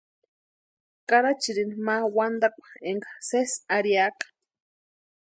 Karachirini ma wantakwa énka sési arhiaka.